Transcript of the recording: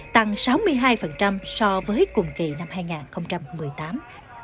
tăng sáu mươi hai so với cùng kỳ năm hai nghìn một mươi tám